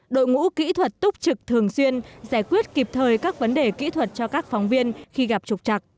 đội ngũ kỹ thuật túc trực thường xuyên giải quyết kịp thời các vấn đề kỹ thuật cho các phóng viên khi gặp trục chặt